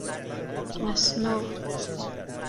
اَسنا